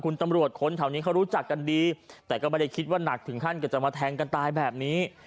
คุณตำรวจคนแถวนี้เขารู้จักกันดีแต่ก็ไม่ได้คิดว่าหนักถึงขั้นก็จะมาแทงกันตายแบบนี้